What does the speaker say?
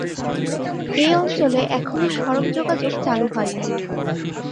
এ অঞ্চলে এখনো সড়ক যোগাযোগ চালু হয়নি।